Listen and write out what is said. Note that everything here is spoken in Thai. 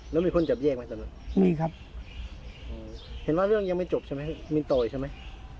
แล้วมีคนจับแยกไหมตอนนั้นมีครับเห็นว่าเรื่องยังไม่จบใช่ไหมมินโตอีกใช่ไหม